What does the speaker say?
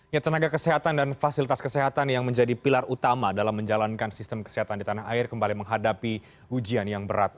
ya tenaga kesehatan dan fasilitas kesehatan yang menjadi pilar utama dalam menjalankan sistem kesehatan di tanah air kembali menghadapi ujian yang berat